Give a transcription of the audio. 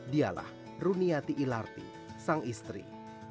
dialah runiati ilarti sang istri